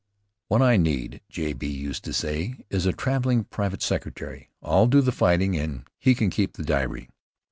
"What I need," J. B. used to say, "is a traveling private secretary. I'll do the fighting and he can keep the diary."